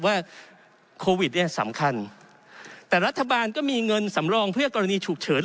ว่าโควิดเนี่ยสำคัญแต่รัฐบาลก็มีเงินสำรองเพื่อกรณีฉุกเฉิน